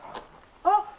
あっ！